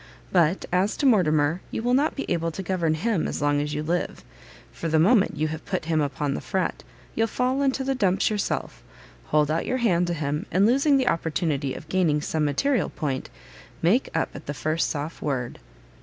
But as to Mortimer, you will not be able to govern him as long as you live; for the moment you have put him upon the fret, you'll fall into the dumps yourself, hold out your hand to him, and, losing the opportunity of gaining some material point, make up at the first soft word."